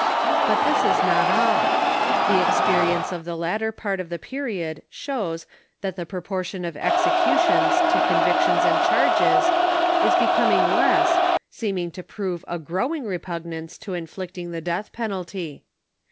But this is not all. The experie'nce of the latter part of the period shows that the proportion of executions to convictions and charges is be coming less, seeming to prove a growing repugnance to inflicting the death penalty.